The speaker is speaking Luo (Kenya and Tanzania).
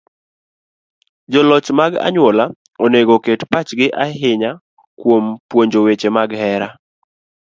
Joloch mag anyuola onego oket pachgi ahinya kuom puonjo weche mag hera.